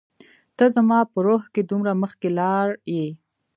ته زما په روح کي دومره مخکي لاړ يي